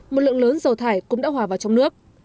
một lượng lớn dầu thải cũng đã hòa vào trong nước